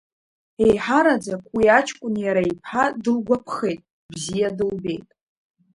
Еиҳараӡак уи аҷкәын иара иԥҳа дылгәаԥхеит, бзиа дылбеит.